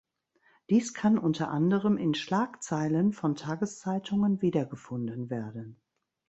Dies kann unter anderem in Schlagzeilen von Tageszeitungen wiedergefunden werden.